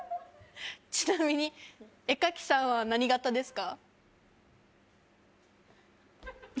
ちなみに絵描きさんは何型ですか？